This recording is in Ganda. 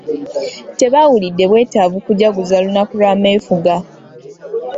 Tebaawulidde bwetaavu kujaguza lunaku lwa meefuga.